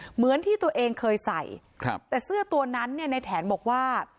เหมือนที่ตัวเองเคยใส่ครับแต่เสื้อตัวนั้นเนี่ยในแถนบอกว่า